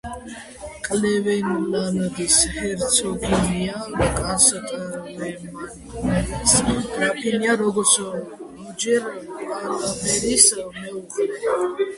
კლეველანდის ჰერცოგინია და კასტლემაინის გრაფინია როგორც როჯერ პალმერის მეუღლე.